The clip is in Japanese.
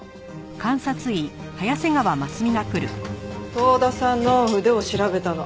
遠田さんの腕を調べたの。